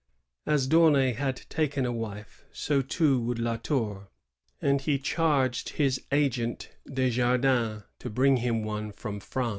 As D'Aunay had taken a wife, so too would La Tour; and he charged his agent Desjardins to bring him one from France.